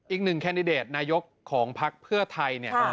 อีกหนึ่งแคนดิเดตนายกของพักเพื่อไทย